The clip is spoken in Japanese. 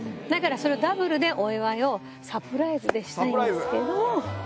だから、それをダブルでお祝いをサプライズでしたいんですけど。